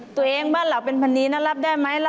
ตัวเองบ้านเราเป็นพันธุ์นี้นะรับได้ไหม